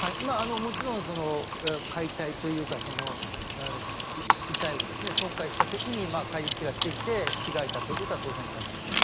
もちろん解体というか遺体を損壊した時に返り血がついて着替えたということは当然考えられます。